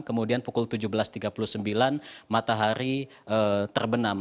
kemudian pukul tujuh belas tiga puluh sembilan matahari terbenam